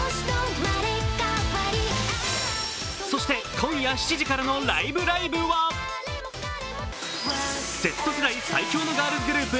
そして今夜７時からの「ライブ！ライブ！」はＺ世代最強のガールズグループ